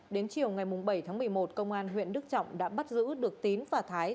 đến chiều ngày bảy tháng một mươi một công an huyện đức trọng đã bắt giữ được tín và thái